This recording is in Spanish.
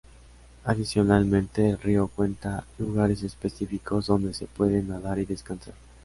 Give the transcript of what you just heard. Adicionalmente, el río cuenta lugares específicos donde se puede nadar y descansar.